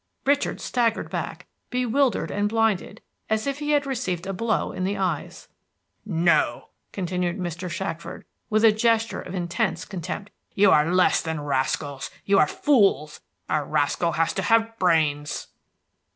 Richard staggered back, bewildered and blinded, as if he had received a blow in the eyes. "No," continued Mr. Shackford, with a gesture of intense contempt, "you are less than rascals. You are fools. A rascal has to have brains!"